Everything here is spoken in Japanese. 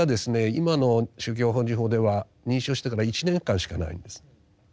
今の宗教法人法では認証してから１年間しかないんです。